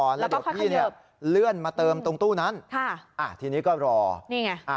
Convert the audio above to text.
แล้วก็เขาเขยิบแล้วก็พี่เนี้ยเลื่อนมาเติมตรงตู้นั้นค่ะอ่ะทีนี้ก็รอนี่ไง